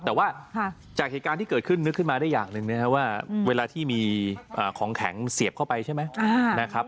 แต่ว่าจากเหตุการณ์ที่เกิดขึ้นนึกขึ้นมาได้อย่างหนึ่งนะครับว่าเวลาที่มีของแข็งเสียบเข้าไปใช่ไหมนะครับ